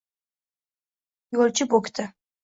Yo’lchi bokdi